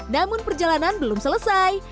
namun perjalanan belum selesai